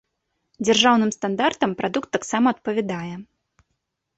Дзяржаўным стандартам прадукт таксама адпавядае.